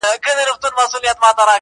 خلک نور ژوند کوي عادي,